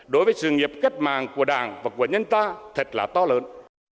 đối với sự nghiệp cất màng của đảng và của nhân ta thật là to lớn